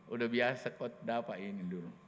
udah biasa kok dah pak ini dulu